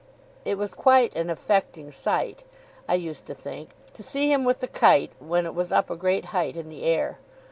It was quite an affecting sight, I used to think, to see him with the kite when it was up a great height in the air.